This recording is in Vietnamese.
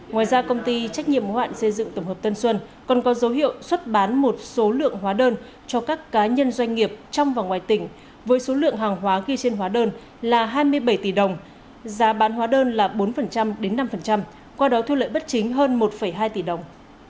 ngoài ra công ty trách nhiệm hữu hạn xây dựng tổng hợp tân xuân còn có dấu hiệu xuất bán một số lượng hóa đơn cho các cá nhân doanh nghiệp trong và ngoài tỉnh với số lượng hàng hóa ghi trên hóa đơn là hai mươi bảy tỷ đồng giá bán hóa đơn là bốn đến năm qua đó thu lợi bất chính hơn một hai tỷ đồng